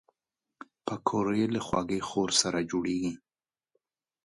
پکورې له خوږې خور سره جوړېږي